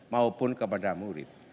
maupun kepada murid